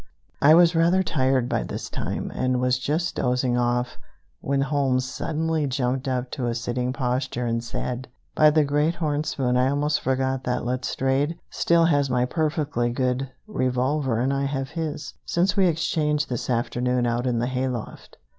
I was rather tired by this time, and was just dozing off when Holmes suddenly jumped up to a sitting posture, and said: "By the great horn spoon, I almost forgot that Letstrayed still has my perfectly good revolver and I have his, since we exchanged this afternoon out in the hay loft.